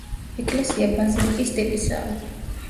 ეკლესია ბაზილიკის ტიპისაა.